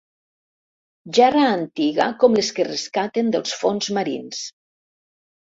Gerra antiga com les que rescaten dels fons marins.